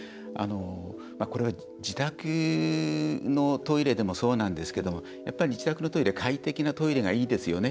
これは、自宅のトイレでもそうなんですけども自宅のトイレ快適なトイレがいいですよね。